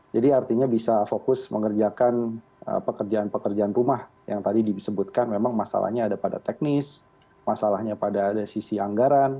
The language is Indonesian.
jadi artinya bisa fokus mengerjakan pekerjaan pekerjaan rumah yang tadi disebutkan memang masalahnya ada pada teknis masalahnya pada sisi anggaran